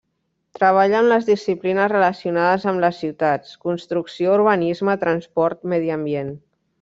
Treballa amb les disciplines relacionades amb les ciutats: construcció, urbanisme, transport, medi ambient.